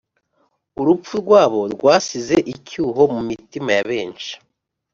urupfu rwabo rwasize icyuho mu mitima ya benshi